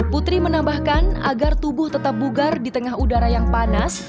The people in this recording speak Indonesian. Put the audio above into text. putri menambahkan agar tubuh tetap bugar di tengah udara yang panas